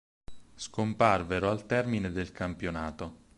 Scomparvero al termine del campionato.